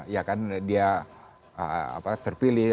ya kan dia terpilih